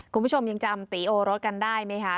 คุณผู้ชมยังจำตีโอรสกันได้ไหมคะ